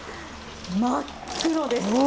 真っ黒です。